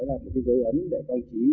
một cái giới ấm để các đồng chí